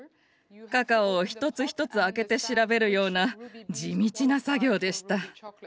カカオを一つ一つ開けて調べるような地道な作業でした。